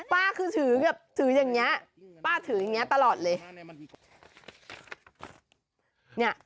ป้าคือถืออย่างนี้ป้าถือยังงี้ตลอดเลย